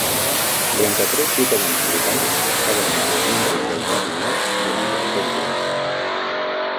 Trenta-tres ciutadans britànics estaven entre els membres dels Davidians durant el setge.